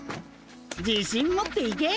自信持っていけ！